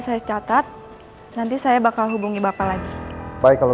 saya akan tunggu update annya